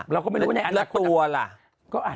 แล้วตัวล่ะ